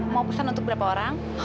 mau pesan untuk berapa orang